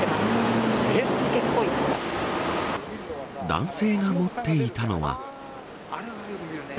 男性が持っていたのは。